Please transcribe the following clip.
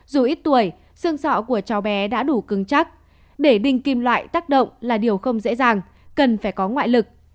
dù ít tuổi xương sọ của cháu bé đã đủ cứng chắc để đình kim loại tác động là điều không dễ dàng cần phải có ngoại lực